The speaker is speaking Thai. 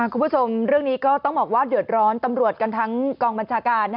คุณผู้ชมเรื่องนี้ก็ต้องบอกว่าเดือดร้อนตำรวจกันทั้งกองบัญชาการ